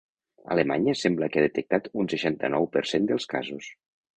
Alemanya sembla que ha detectat un seixanta-nou per cent dels casos.